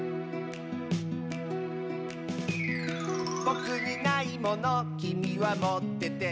「ぼくにないものきみはもってて」